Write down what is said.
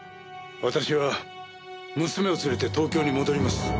私は娘を連れて東京に戻ります。